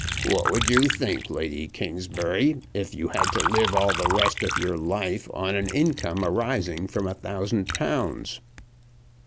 "What would you think, Lady Kingsbury, if you had to live all the rest of your life on an income arising from a thousand pounds?"